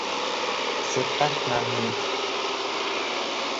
سبقت ممنوع!